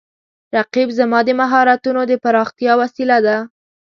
رقیب زما د مهارتونو د پراختیا وسیله ده